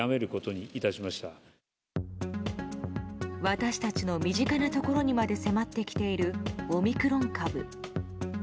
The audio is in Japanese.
私たちの身近なところにまで迫ってきているオミクロン株。